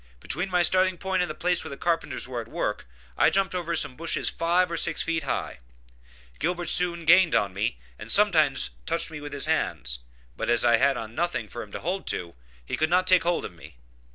Between my starting point and the place where the carpenters were at work I jumped over some bushes five or six feet high. Gilbert soon gained upon me, and sometimes touched me with his hands, but as I had on nothing for him to hold to, he could not take hold of me.